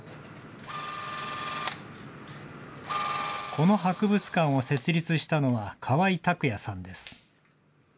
この博物館を設立したのは、川井拓也さんです。